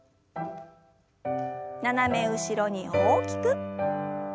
斜め後ろに大きく。